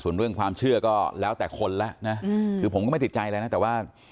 ส่วนเรื่องความเชื่อก็แล้วแต่คนแล้วนะคือผมก็ไม่ติดใจอะไรนะแต่ว่า